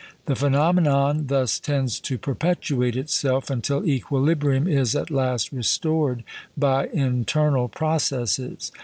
The phenomenon thus tends to perpetuate itself, until equilibrium is at last restored by internal processes.